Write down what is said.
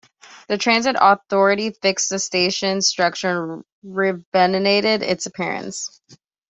The Transit Authority fixed the station's structure and renovated its appearance.